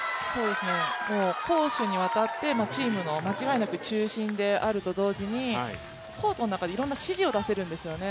攻守にわたって間違いなくチームの中心であると同時にコートの中でいろいろな指示を出せるんですよね。